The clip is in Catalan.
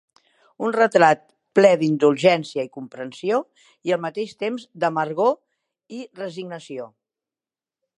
Un retrat ple d'indulgència i comprensió, i al mateix temps d'amargor i resignació.